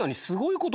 すごい。